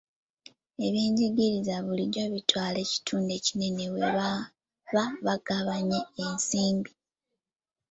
Ebyenjigiriza bulijjo bitwala ekitundu ekinene bwe baba bagabanya ensimbi.